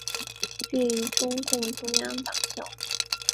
毕业于中共中央党校。